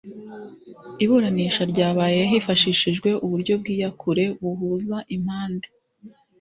Iburanisha ryabaye hifashishijwe uburyo bw’iyakure buhuza impande